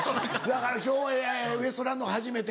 だから今日ウエストランド初めて。